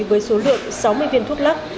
với số lượng sáu mươi viên thuốc lắc